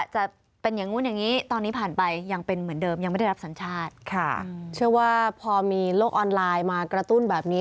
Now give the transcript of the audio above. เชื่อว่าพอมีโลกออนไลน์มากระตุ้นแบบนี้